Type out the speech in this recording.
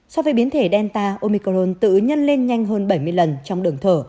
so với biến thể delta omicrone tự nhân lên nhanh hơn bảy mươi lần trong đường thở